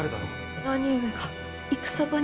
兄上が戦場に。